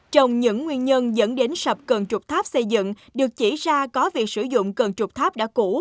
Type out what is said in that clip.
trong những nguyên nhân dẫn đến sập cân trục tháp xây dựng được chỉ ra có việc sử dụng cân trục tháp đã cũ